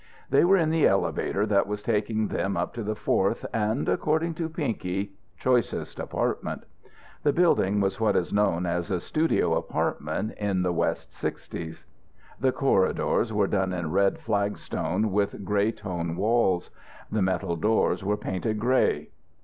They were in the elevator that was taking them up to the fourth and (according to Pinky) choicest apartment. The building was what is known as a studio apartment, in the West Sixties. The corridors were done in red flagstones, with grey tone walls. The metal doors were painted grey.